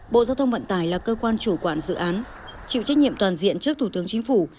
bộ giao thông vận tải là cơ quan chủ quản dự án chịu trách nhiệm toàn diện trước thủ tướng chính phủ